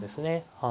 はい。